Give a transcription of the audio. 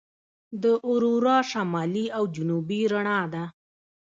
د اورورا شمالي او جنوبي رڼا ده.